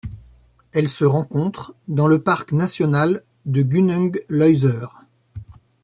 Elle se rencontre dans le parc national de Gunung Leuser.